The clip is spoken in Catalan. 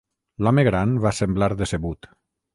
L'home gran va semblar decebut.